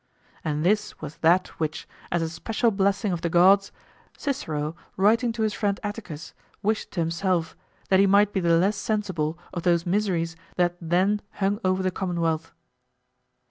And this was that which, as a special blessing of the gods, Cicero, writing to his friend Atticus, wished to himself, that he might be the less sensible of those miseries that then hung over the commonwealth.